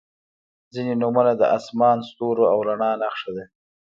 • ځینې نومونه د آسمان، ستوریو او رڼا نښه ده.